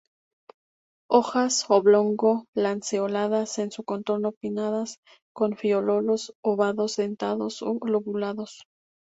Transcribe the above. Hojas oblongo-lanceoladas en su contorno, pinnadas, con folíolos ovados dentados o lobulados.